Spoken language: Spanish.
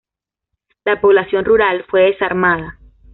La población rural fue desarmada.